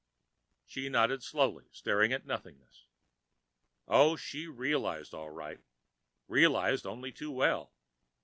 She nodded slowly, staring at nothingness. Oh, she realized, all right, realized only too well.